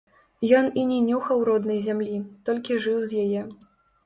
Ён і не нюхаў роднай зямлі, толькі жыў з яе.